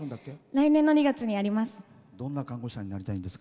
来年の２月にあります。